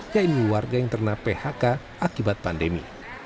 yaitu warga yang terkena phk akibat pandemi